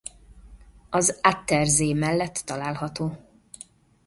Az Attersee mellett található.